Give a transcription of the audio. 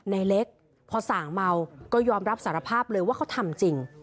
ในเล็กพอส่างเมาก็ยอมรับสารภาพเลยว่าเขาทำจริง